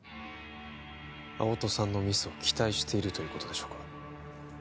青戸さんのミスを期待しているということでしょうか？